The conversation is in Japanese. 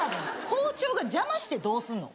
校長が邪魔してどうすんの？